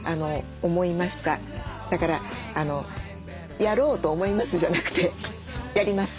だから「やろうと思います」じゃなくてやります！